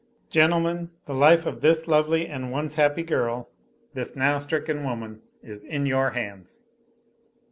Gentlemen, the life of this lovely and once happy girl, this now stricken woman, is in your hands."